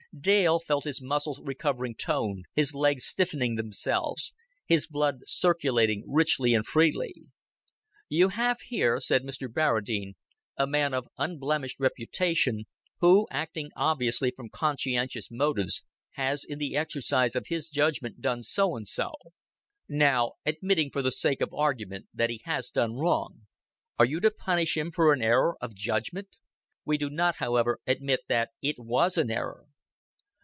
Dale felt his muscles recovering tone, his legs stiffening themselves, his blood circulating richly and freely. "You have here," said Mr. Barradine, "a man of unblemished reputation, who, acting obviously from conscientious motives, has in the exercise of his judgment done so and so. Now, admitting for the sake of argument, that he has done wrong, are you to punish him for an error of judgment? We do not, however, admit that it was an error."...